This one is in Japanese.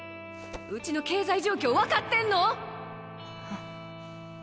うちの経済状況分かってんの！？